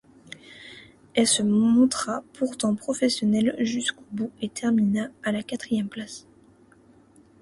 Elle se montra pourtant professionnelle jusqu'au bout et termina à la quatrième place.